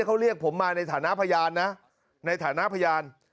เขาเรียกผมมาในฐานะพยานนะในฐานะพยาน